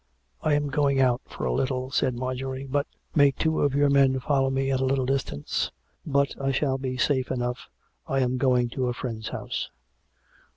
" I am going out for a little," said Marjorie. " But " "May two of your men follow me at a little distance? But I shall be safe enough. I am going to a friend's house."